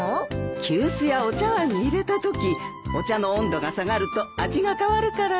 急須やお茶わんに入れたときお茶の温度が下がると味が変わるからね。